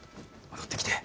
戻ってきて。